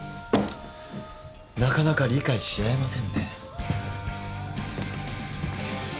なかなか理解し合えませんね。